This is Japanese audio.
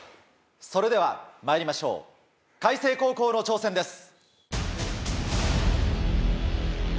それではまいりましょう開成高校の挑戦です。